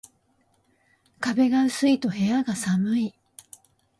壁が薄いと部屋が寒い